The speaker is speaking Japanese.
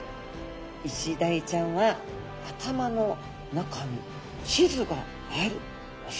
イシダイちゃんは頭の中に地図があるお魚。